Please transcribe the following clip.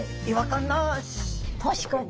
確かに。